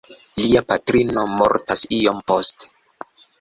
Lia patrino mortas iom poste.